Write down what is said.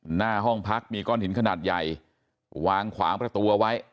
หน้าห้องพักมีก้อนหินขนาดใหญ่วางขวางประตูเอาไว้